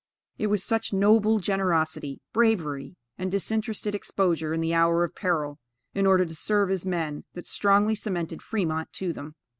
It was such noble generosity, bravery, and disinterested exposure in the hour of peril, in order to serve his men, that strongly cemented Fremont to them.